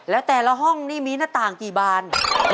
แล้วแต่ละห้องนี่มีหน้าต่างกี่บาน